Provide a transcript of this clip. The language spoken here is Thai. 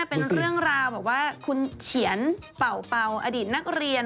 เป็นเรื่องราวแบบว่าคุณเฉียนเป่าเป่าอดีตนักเรียน